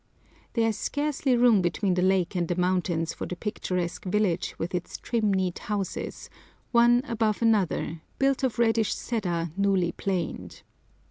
[Picture: Attendant at Tea House] There is scarcely room between the lake and the mountains for the picturesque village with its trim neat houses, one above another, built of reddish cedar newly planed.